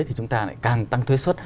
thì chúng ta lại càng tăng thuế xuất